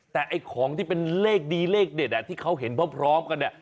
แต่ของที่เป็นเลขดีเลขเด็ดที่เขาเห็นเพราะพร้อมกัน